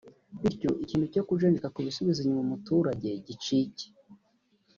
bityo ikintu cyo kujenjeka ku bisubiza inyuma umuturage gicike